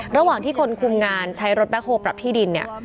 ระหว่างที่คนคุมงานใช้รถแบ็คโฮลปรับที่ดินเนี่ย